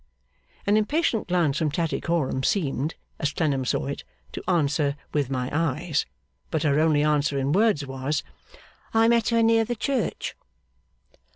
An impatient glance from Tattycoram seemed, as Clennam saw it, to answer 'With my eyes!' But her only answer in words was: 'I met her near the church.